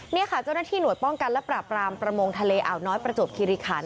นี่ค่ะเจ้าหน้าที่หน่วยป้องกันและปราบรามประมงทะเลอ่าวน้อยประจวบคิริขัน